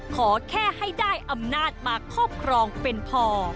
ขอแค่ให้ได้อำนาจมาครอบครองเป็นพอ